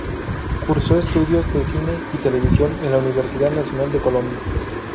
Cursó estudios de Cine y Televisión en la Universidad Nacional de Colombia.